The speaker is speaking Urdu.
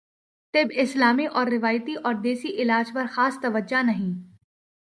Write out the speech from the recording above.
طب اسلامی اور روایتی اور دیسی علاج پرخاص توجہ نہیں